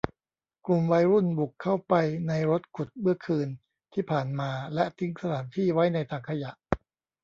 กลุ่มวัยรุ่นบุกเข้าไปในรถขุดเมื่อคืนที่ผ่านมาและทิ้งสถานที่ไว้ในถังขยะ